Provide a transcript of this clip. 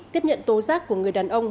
tiếp nhận tố giác của người đàn ông